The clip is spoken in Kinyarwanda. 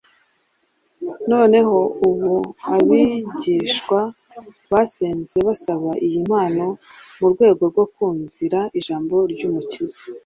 Noneho ubu abigishwa basenze basaba iyi mpano mu rwego rwo kumvira ijambo ry’Umukiza,